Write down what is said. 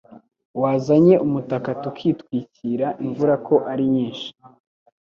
Wazanye umutaka tukitwikira imvura ko arinyinshi?